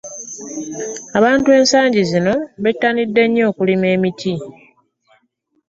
Abantu ensangi zino bettanidde nnyo okulima emiti.